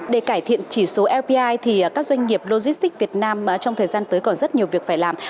để cải thiện chỉ số lpi thì các doanh nghiệp logistics việt nam trong thời gian tới còn rất nhiều việc phải làm